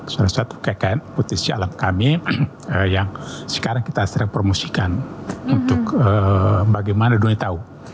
salah satu kekayaan potensi alam kami yang sekarang kita sedang promosikan untuk bagaimana dunia tahu